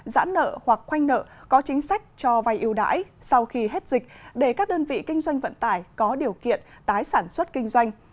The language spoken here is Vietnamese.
giãn nợ hoặc khoanh nợ có chính sách cho vay yêu đãi sau khi hết dịch để các đơn vị kinh doanh vận tải có điều kiện tái sản xuất kinh doanh